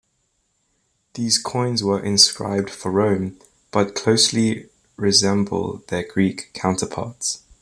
These coins were inscribed for Rome but closely resemble their Greek counterparts.